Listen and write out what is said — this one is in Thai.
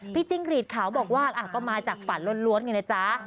พี่จิ้งหรีดขาวบอกว่าก็มาจากฝันล้วนอย่างนี้นะจ๊ะ